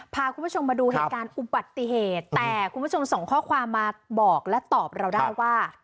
พาคุณผู้ชมมาดูเหตุการณ์อุบัติเหตุแต่คุณผู้ชมส่งข้อความมาบอกและตอบเราได้ว่า